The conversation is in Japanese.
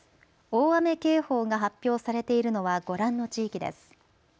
大雨警報が発表されているのはご覧の地域です。